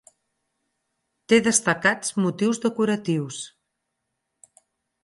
Té destacats motius decoratius.